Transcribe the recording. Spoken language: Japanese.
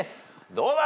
どうだ？